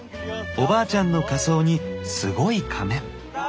おばあちゃんの仮装にすごい仮面。